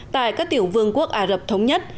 tại các tiểu vương quốc ả rập thống nhất